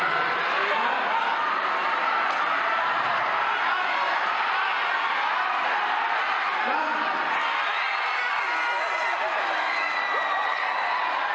แล้วเกี่ยวกัน